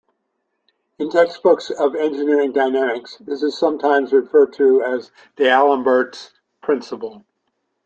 In textbooks of engineering dynamics this is sometimes referred to as "d'Alembert's principle".